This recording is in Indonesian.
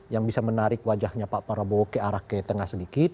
yang bisa menarik wajahnya pak prabowo ke arah ke tengah sedikit